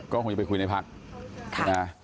ก็คงจะไปคุยในพักนะ